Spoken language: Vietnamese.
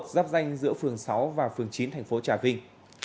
giáp danh giữa phường sáu và phường chín thành phố trà vinh